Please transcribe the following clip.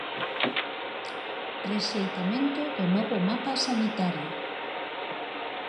'Rexeitamento do novo mapa sanitario'.